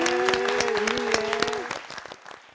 いいね。